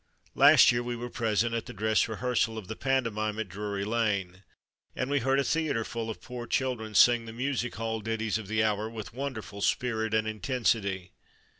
Last year we were present at the dress rehearsal of the pantomime at Drury Lane, and we heard a theatreful of poor children sing the music hall ditties of the hour with wonderful spirit and intensity.